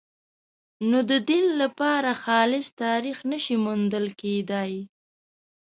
نو د دین لپاره خالص تاریخ نه شي موندل کېدای.